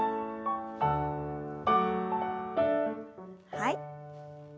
はい。